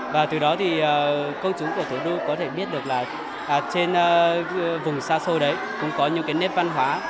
và từ đó thì công chúng của thủ đô có thể biết được là trên vùng xa xôi đấy cũng có những cái nét văn hóa